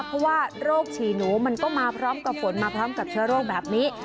เพราะว่าโรคฉี่หนูมันก็มาพร้อมกับฝนมาพร้อมกับเชื้อโรคแบบนี้